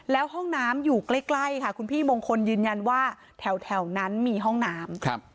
แล้วห้องน้ำอยู่ใกล้ค่ะคุณพี่มงคลยืนยันว่าแถวนั้นมีห้องน้ำ